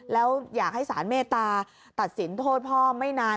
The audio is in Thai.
แล้วอยากให้สารเมตตาตัดสินโทษพ่อไม่นาน